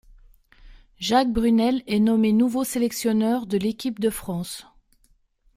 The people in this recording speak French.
Jacques Brunel est nommé nouveau sélectionneur de l'équipe de France.